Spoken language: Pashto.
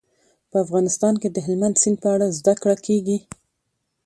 په افغانستان کې د هلمند سیند په اړه زده کړه کېږي.